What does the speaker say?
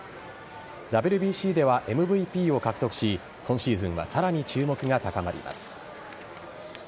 ＷＢＣではＭＶＰを獲得し今シーズンはさらに注目が高まります。